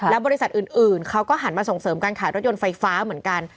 บริษัทอื่นเขาก็หันมาส่งเสริมการขายรถยนต์ไฟฟ้าเหมือนกัน